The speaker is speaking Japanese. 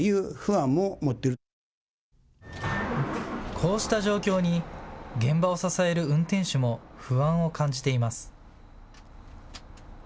こうした状況に、現場を支える運転手も不安を感じています。